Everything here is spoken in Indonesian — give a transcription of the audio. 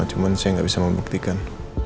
cuma saya nggak bisa membuktikan